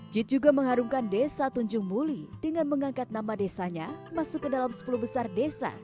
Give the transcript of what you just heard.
jit juga mengharumkan desa tunjung muli dengan mengangkat nama desanya masuk ke dalam sepuluh besar desa